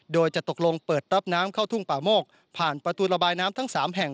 โดยจะตกลงเปิดรับน้ำเข้าทุ่งป่าโมกผ่านประตูระบายน้ำทั้ง๓แห่ง